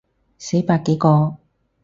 死百幾個